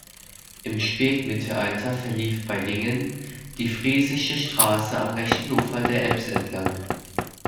Im Spätmittelalter verlief bei Lingen die Friesische Straße am rechten Ufer der Ems entlang.